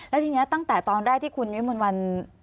แล้วทีนี้ตั้งแต่ตอนแรกที่คุณวิมนต์วัน